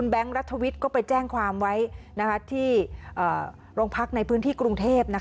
รัฐวิทย์ก็ไปแจ้งความไว้ที่โรงพักในพื้นที่กรุงเทพ